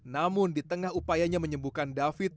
namun di tengah upayanya menyembuhkan david